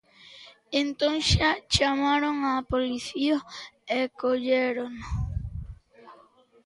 Entón xa chamaron á policía e collérono.